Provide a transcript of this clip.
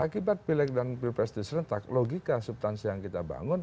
akibat pileg dan pilpres diserentak logika substansi yang kita bangun